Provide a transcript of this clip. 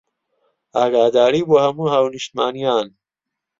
ئاگاداری بۆ هەموو هاونیشتمانیان